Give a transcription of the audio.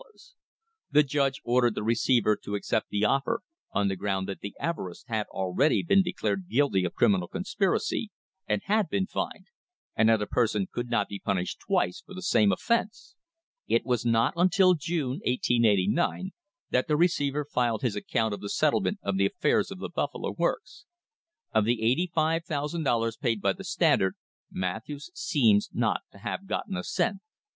The judge ordered the receiver to acept the offer, on the ground that the Everests had already been declared guilty of criminal conspiracy and had been fined, and that a person could not be punished twice for the same offence! It was not until June, 1889, that the receiver filed his account of the settlement of the affairs of the Buffalo Works. Of the $85,000 paid by the Standard, Matthews seems not to have gotten a cent.